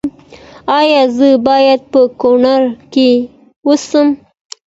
ایا زه باید په کنړ کې اوسم؟